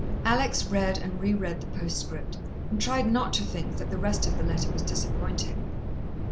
Alex read and re read the postscript, and tried not to think that the rest of the letter was disappointing.